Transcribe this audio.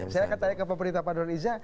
saya ketanya ke pemerintah pak don iza